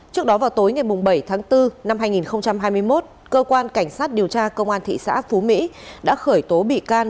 trước đó vào tối ngày bảy tháng bốn năm hai nghìn hai mươi một cơ quan cảnh sát điều tra công an thị xã phú mỹ đã khởi tố bị can